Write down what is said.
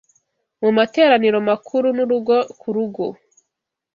Mu Materaniro Makuru n’Urugo ku Rugo